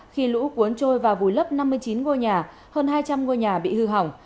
khi lũ cuốn trôi và vùi lấp năm mươi chín ngôi nhà hơn hai trăm linh ngôi nhà bị hư hỏng